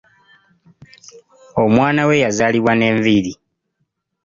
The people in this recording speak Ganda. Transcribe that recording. Omwana we yazaalibwa n’enviri.